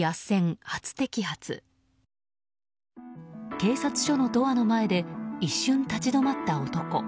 警察署のドアの前で一瞬、立ち止まった男。